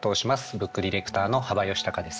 ブックディレクターの幅允孝です。